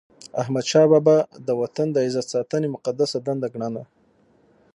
احمدشاه بابا د وطن د عزت ساتنه مقدسه دنده ګڼله.